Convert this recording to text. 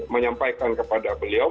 menyampaikan kepada beliau